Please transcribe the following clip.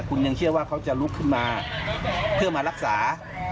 คุณยังเชื่อว่าเขาจะลุกขึ้นมาเพื่อมารักษา